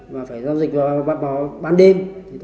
và phải giao dịch vào ban đêm